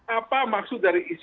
apa maksud dari isi